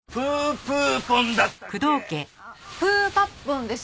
プーパッポンです。